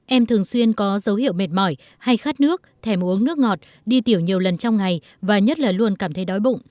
em thường xuyên có dấu hiệu mệt mỏi hay khát nước thẻ uống nước ngọt đi tiểu nhiều lần trong ngày và nhất là luôn cảm thấy đói bụng